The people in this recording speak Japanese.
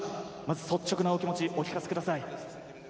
率直なお気持ちをお聞かせください。